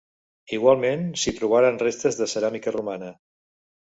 Igualment s'hi trobaren restes de ceràmica romana.